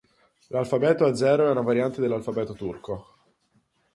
L‘alfabeto azero è una variante dell‘alfabeto turco.